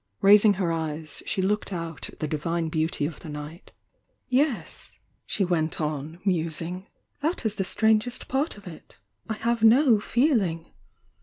Raising her eyes, she looked out at the divine beauty of the night "Yes," she went on musing— "That is the strang est psrt of it I— I have no feeling.